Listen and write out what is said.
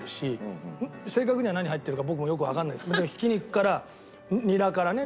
正確には何入ってるか僕もよくわからないですけど挽き肉からニラからね